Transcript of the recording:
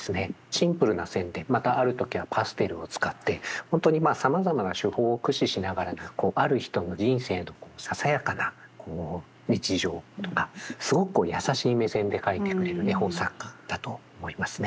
シンプルな線でまたある時はパステルを使って本当にさまざまな手法を駆使しながらある人の人生のささやかな日常とかすごく優しい目線でかいてくれる絵本作家だと思いますね。